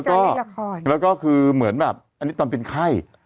แล้วก็แล้วก็คือเหมือนแบบอันนี้ตอนเป็นไข้